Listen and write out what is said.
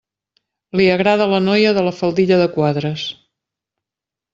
Li agrada la noia de la faldilla de quadres.